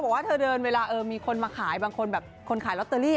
บอกว่าเธอเดินเวลาเออมีคนมาขายบางคนแบบคนขายลอตเตอรี่